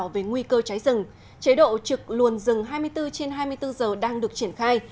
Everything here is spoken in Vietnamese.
về nguy cơ cháy rừng chế độ trực luồn rừng hai mươi bốn trên hai mươi bốn giờ đang được triển khai